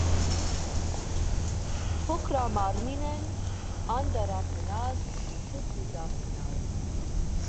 Փոքրամարմին են, անտառաբնակ, թփուտաբնակ։